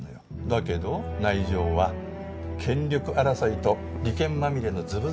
だけど内情は権力争いと利権まみれのずぶずぶ状態。